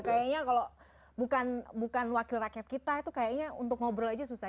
kayaknya kalau bukan wakil rakyat kita itu kayaknya untuk ngobrol aja susah